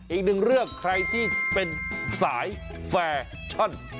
อีกหนึ่งเรื่องใครที่เป็นสายแฟชั่น